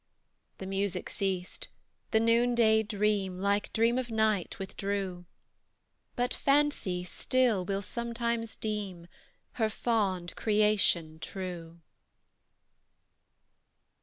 The music ceased; the noonday dream, Like dream of night, withdrew; But Fancy, still, will sometimes deem Her fond creation true.